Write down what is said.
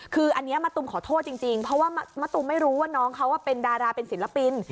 คืออันนี้มะตูมขอโทษจริงเพราะว่ามะตูมไม่รู้ว่าน้องเขาเป็นดาราเป็นศิลปิน